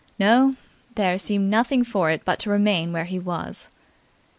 No, there seemed nothing for it but to remain where he was.